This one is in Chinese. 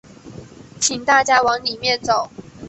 请大家往里面走